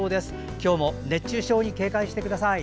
今日も熱中症に警戒してください。